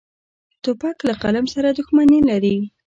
توپک له قلم سره دښمني لري.